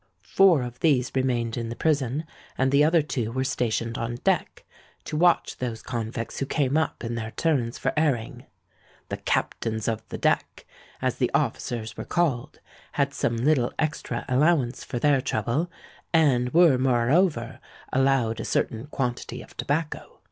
Four of these remained in the prison; and the other two were stationed on deck, to watch those convicts who came up in their turns for airing. The Captains of the Deck, as the officers were called, had some little extra allowance for their trouble, and were moreover allowed a certain quantity of tobacco.